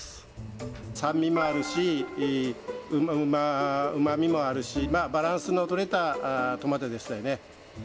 酸味もあるし、うまみもあるし、バランスの取れたトマトですよね。